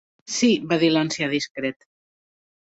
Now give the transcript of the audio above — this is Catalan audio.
"Sí", va dir l'ancià distret.